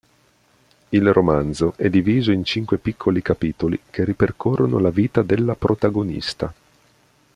Il romanzo è diviso in cinque piccoli capitoli che ripercorrono la vita della protagonista.